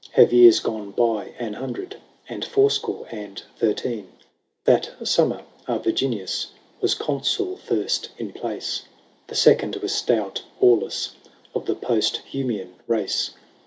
Have years gone by an hundred And fourscore and thirteen. That summer a Virginius Was Consul first in place ; The second was stout Aulus, Of the Posthumian race.